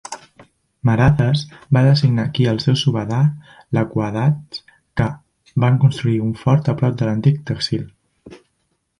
Marathas va designar aquí els seus subadar Lakwadads, que van construir un fort a prop de l'antic tehsil.